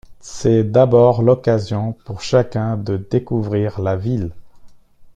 C'est d'abord l'occasion pour chacun de découvrir la ville.